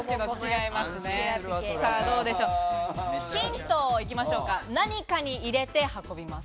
ヒント行きましょうか、何かに入れて運びます。